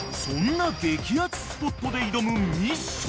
［そんな激アツスポットで挑む］